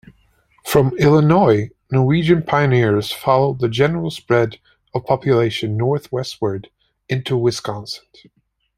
From Illinois, Norwegian pioneers followed the general spread of population northwestward into Wisconsin.